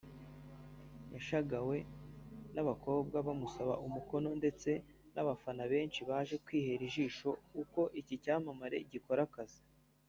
yashagawe n’abakobwa bamusaba umukono ndetse n’abafana benshi baje kwihera ijisho uko iki cyamamare gikora akazi